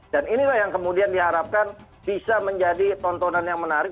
dan inilah yang kemudian diharapkan bisa menjadi tontonan yang menarik